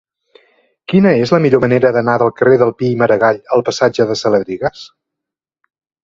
Quina és la millor manera d'anar del carrer de Pi i Margall al passatge de Saladrigas?